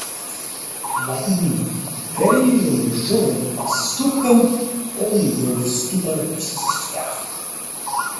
Своим кринжовым поступком он ввёл в ступор всех.